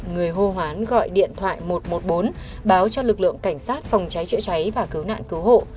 người hô hoán gọi điện thoại một trăm một mươi bốn báo cho lực lượng cảnh sát phòng cháy chữa cháy và cứu nạn cứu hộ